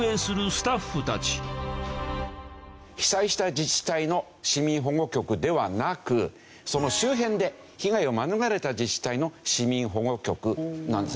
被災した自治体の市民保護局ではなくその周辺で被害を免れた自治体の市民保護局なんですね。